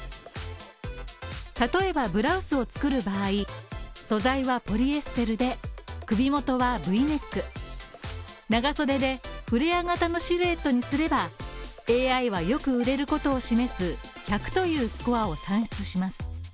例えばブラウスを作る場合、素材はポリエステルで、首元はＶネック長袖でフレア型のシルエットにすれば、ＡＩはよく売れることを示す１００というスコアを算出します。